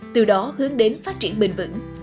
từ đó hướng đến phát triển bền vững